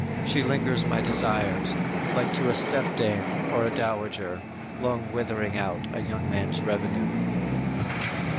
She lingers my desires, Like to a step dame, or a dowager, Long withering out a young man's revenue!"